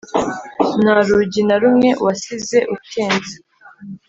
ntarugi narumwe wasize ukinze